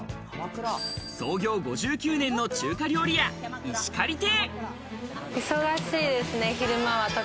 創業５９年の中華料理屋・石狩亭。